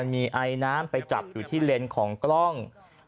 มีไอน้ำไปจับอยู่ที่เลนส์ของกล้อง